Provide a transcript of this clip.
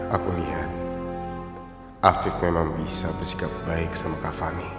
aku lihat afiq memang bisa bersikap baik sama kak fani